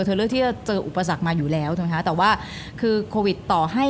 เธอเลือกที่จะเจออุปสรรคมาอยู่แล้วแต่ว่าคือโควิดต่อให้